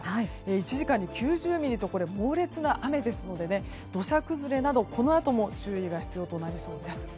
１時間に９０ミリと猛烈な雨ですので土砂崩れなど、このあとも注意が必要になりそうです。